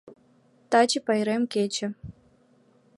Таче пайрем кече.